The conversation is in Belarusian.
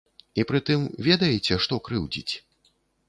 І пры тым, ведаеце, што крыўдзіць?